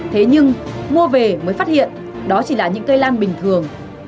thế nhưng mua về mới phát hiện đó chỉ là những cây lan bình thường